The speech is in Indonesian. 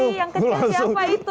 lucu sekali yang kecil siapa itu